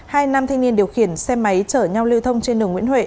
hai nam thanh niên điều khiển xe máy chở nhau lưu thông trên đường nguyễn huệ